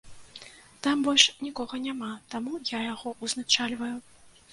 Там больш нікога няма, таму я яго ўзначальваю.